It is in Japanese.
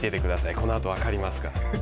このあと分かりますから！